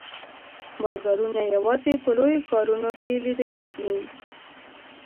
بازارونه یوازي په لویو ښارونو کې لیده کیږي.